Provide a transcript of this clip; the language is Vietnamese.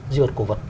di vật cổ vật